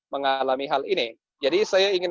mengalami hal ini jadi saya ingin